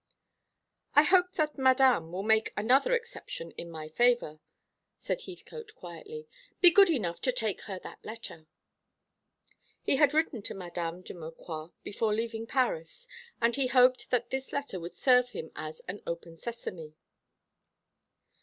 "I hope that Madame will make another exception in my favour," said Heathcote quietly. "Be good enough to take her that letter." He had written to Mdme. de Maucroix before leaving Paris, and he hoped that this letter would serve him as an "open sesame."